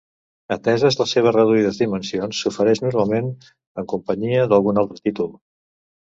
Ateses les seves reduïdes dimensions s'ofereix normalment en companyia d'algun altre títol.